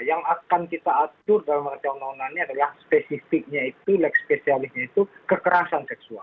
yang akan kita atur dalam rancangan undang undang ini adalah spesifiknya itu leg spesialisnya itu kekerasan seksual